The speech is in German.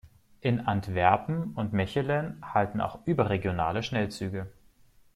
In Antwerpen und Mechelen halten auch überregionale Schnellzüge.